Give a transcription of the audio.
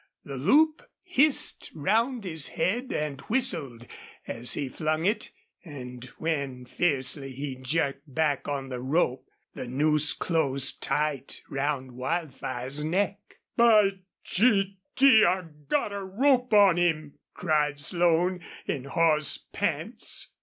The loop hissed round his head and whistled as he flung it. And when fiercely he jerked back on the rope, the noose closed tight round Wildfire's neck. "By G d I got a rope on him!" cried Slone, in hoarse pants.